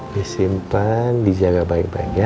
disimpan dijaga baik baik ya